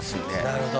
なるほど。